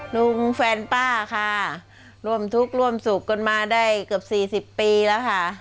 ลุงแฟนป้าค่ะร่วมทุกข์ร่วมสุขกันมาได้เกือบ๔๐ปีแล้วค่ะ